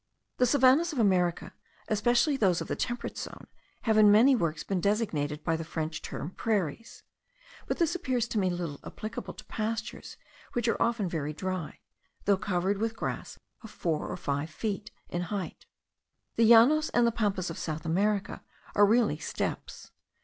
The savannahs of America, especially those of the temperate zone, have in many works been designated by the French term prairies; but this appears to me little applicable to pastures which are often very dry, though covered with grass of four or five feet in height. The Llanos and the Pampas of South America are really steppes.